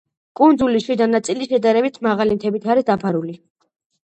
კუნძულის შიდა ნაწილი შედარებით მაღალი მთებით არის დაფარული.